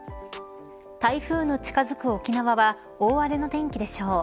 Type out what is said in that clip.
台風の近づく沖縄は大荒れの天気でしょう。